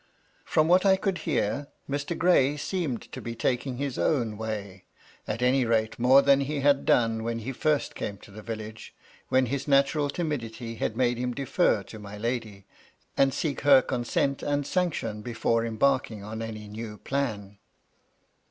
From what I could hear, Mr. Gray seemed to be taking his own way ; at any rate, more than he had done when he first came to the village, when his natural timidity had made him defer to my lady, and seek her consent and sanction before embarking in any new 224 MY LADY LUDLOW. plan.